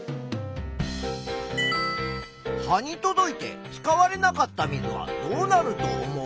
葉に届いて使われなかった水はどうなると思う？